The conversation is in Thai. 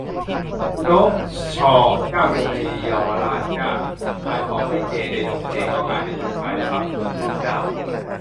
'โจ๊ก 'ชอ' เจ้าเดียวในเยาวราชจ้า' ขายของไม่เจ ในดงเจ ก็กลายเป็นจุดขายนะครับ ถนนผดุงด้าว